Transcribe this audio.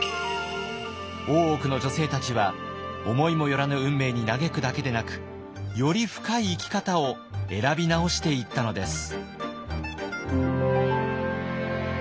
大奥の女性たちは思いも寄らぬ運命に嘆くだけでなくより深い生き方を選び直していったのです。